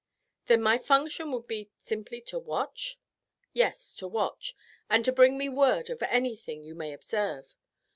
"Then my function would be simply to watch?" "Yes, to watch, and to bring me word of anything you may observe.